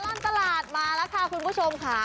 ตลอดตลาดมาแล้วค่ะคุณผู้ชมค่ะ